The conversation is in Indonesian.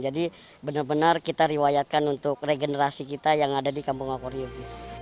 jadi benar benar kita riwayatkan untuk regenerasi kita yang ada di kampung akuarium